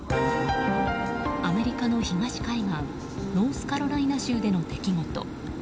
アメリカの東海岸ノースカロライナ州での出来事。